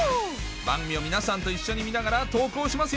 番組を皆さんと一緒に見ながら投稿しますよ